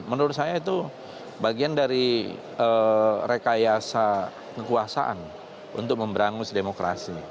menurut saya itu bagian dari rekayasa kekuasaan untuk memberangus demokrasi